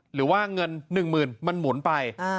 หรือว่าเงินหนึ่งหมื่นมันหมุนไป